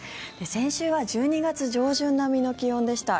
先週は１２月上旬並みの気温でした。